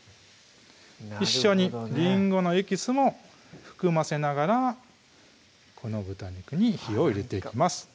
一緒にりんごのエキスも含ませながらこの豚肉に火を入れていきます